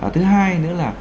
thứ hai nữa là